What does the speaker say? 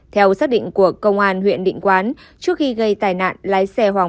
theo xác định của công an huyện định quán trước khi gây tài nạn lái xe hoàng phong